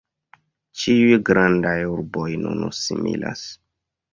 Ĉiuj grandaj urboj nun similas.